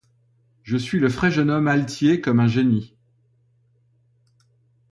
Je suis le frais jeune homme, altier comme un génie